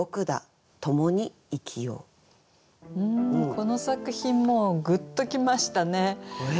この作品もうグッと来ましたね。